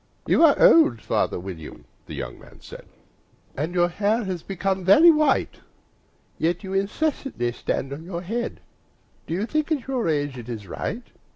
"YOU are old, father William," the young man said, "And your hair has become very white; And yet you incessantly stand on your head Do you think, at your age, it is right?